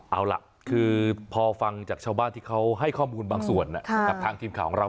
เอาล่ะคือพอฟังจากชาวบ้านที่เขาให้ข้อมูลบางส่วนกับทางทีมข่าวของเรา